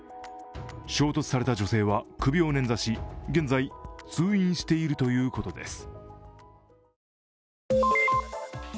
衝突された女性は、首を捻挫し現在通院しているということです。